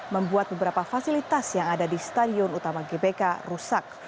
membuat beberapa fasilitas yang ada di stadion utama gbk rusak